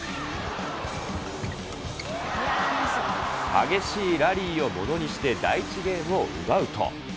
激しいラリーをものにして、第１ゲームを奪うと。